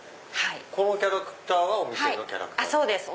このキャラクターはお店のキャラクターですか？